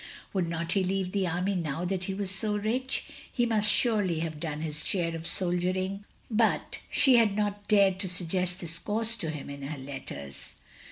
Would not he leave the army now that he was so rich? He must surely have done his share of soldiering. But she had not dared to suggest this course to him in her letters.